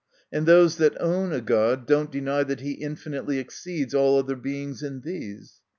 And those that own a God, do not deny that he infinitely exceeds all other Beings in these.